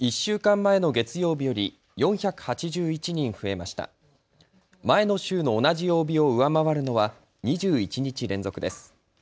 前の週の同じ曜日を上回るのは２１日連続です。